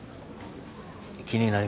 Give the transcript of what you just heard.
気になりますか？